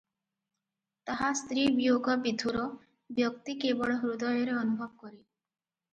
ତାହା ସ୍ତ୍ରୀ ବିୟୋଗବିଧୂର ବ୍ୟକ୍ତି କେବଳ ହୃଦୟରେ ଅନୁଭବ କରେ ।